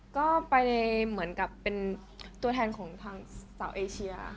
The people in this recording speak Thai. ก็ไปเหมือนกับเป็นตัวแทนของทางสาวเอเชีย